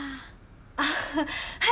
ああはい。